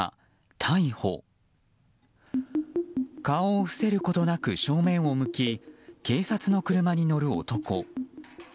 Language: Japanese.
顔を伏せることなく正面を向き警察の車に乗る男。